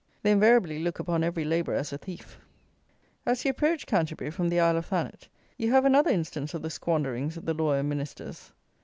They invariably look upon every labourer as a thief. As you approach Canterbury, from the Isle of Thanet, you have another instance of the squanderings of the lawyer Ministers.